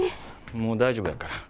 もう大丈夫やから。